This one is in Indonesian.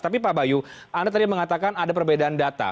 tapi pak bayu anda tadi mengatakan ada perbedaan data